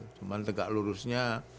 cuman tegak lurusnya